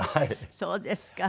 そうですか。